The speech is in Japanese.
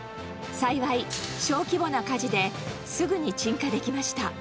幸い、小規模な火事で、すぐに鎮火できました。